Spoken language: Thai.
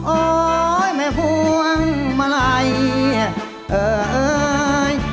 โอ้ย